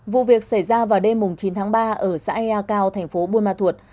vụ việc xảy ra vào đêm chín tháng ba ở xã ya cao thành phố buôn ma thuột